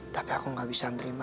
tapi aku nggak bisa menerima